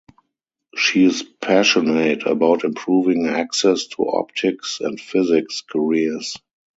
She is passionate about improving access to optics and physics careers.